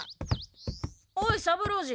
おい三郎次！